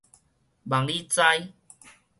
望你知